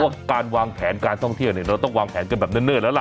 ว่าการวางแผนการท่องเที่ยวเนี่ยเราต้องวางแผนกันแบบเนิ่นแล้วล่ะ